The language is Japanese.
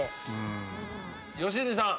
良純さん。